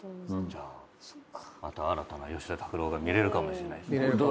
じゃあまた新たな吉田拓郎が見れるかもしれないですね。